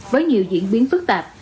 với nhiều diễn biến phức tạp